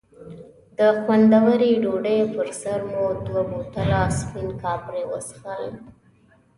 د خوندورې ډوډۍ پر سر مو دوه بوتله سپین کاپري وڅښل.